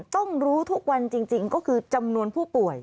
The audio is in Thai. ต้องรู้ทุกวันจริงก็คือจำนวนผู้ป่วย